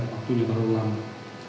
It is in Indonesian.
waktu ini terlalu lama